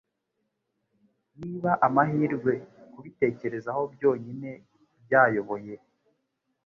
Niba amahirwe, kubitekerezo byonyine byayoboye,